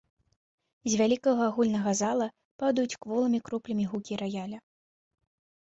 З вялікага агульнага зала падаюць кволымі кроплямі гукі раяля.